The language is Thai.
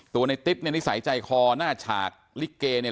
ตัวในติ๊บนี่ใส่ใจคอหน้าฉากลิเกย์เนี่ย